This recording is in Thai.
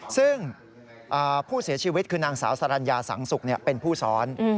ซึ่งผู้เสียชีวิตคือนางสาวสรรญาสังสุกเป็นผู้ซ้อน